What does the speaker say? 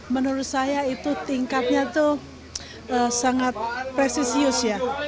menurut saya itu tingkatnya itu sangat presisius ya